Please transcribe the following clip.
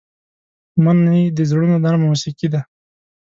مني د زړونو نرمه موسيقي ده